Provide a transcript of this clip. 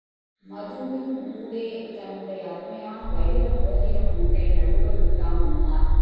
மதுவின் ஊடே, தன்னுடைய அருமையான வைர மோதிரமொன்றை நழுவ விட்டான் உமார்.